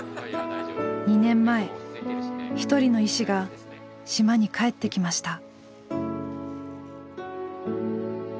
２年前一人の医師が島に帰ってきました。